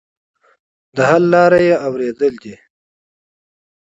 حل لاره اورېدل دي.